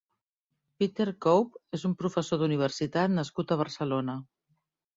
Peter Kaupp és un professor d'universitat nascut a Barcelona.